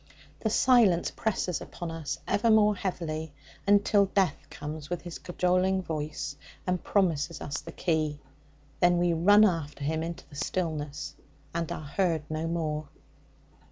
The silence presses upon us ever more heavily until Death comes with his cajoling voice and promises us the key. Then we run after him into the stillness, and are heard no more.